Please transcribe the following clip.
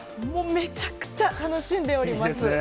めちゃくちゃ楽しんでおります。